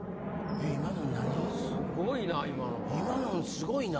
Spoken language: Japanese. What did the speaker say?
すごいな！